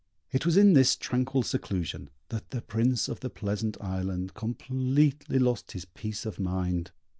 It was in this tranquil seclusion that the Prince of the Pleasant Island completely lost his peace of mind.